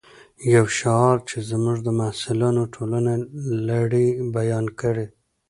یو شعار چې زموږ د محصولاتو ټوله لړۍ بیان کړي